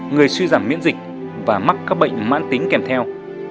người suy giảm miễn dịch và mắc các bệnh mãn tính kèm theo